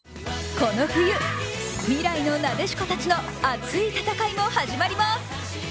この冬、未来のなでしこたちの熱い戦いも始まります。